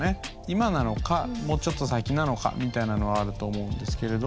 今なのかもうちょっと先なのかみたいなのはあると思うんですけれども。